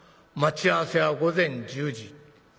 待ち合わせは午前１０時。